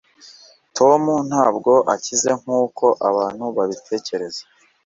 tom ntabwo akize nkuko abantu babitekereza